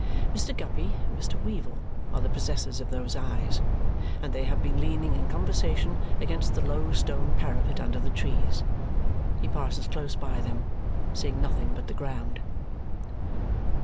Mr. Guppy and Mr. Weevle are the possessors of those eyes, and they have been leaning in conversation against the low stone parapet under the trees. He passes close by them, seeing nothing but the ground.